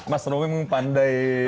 mas romy memang pandai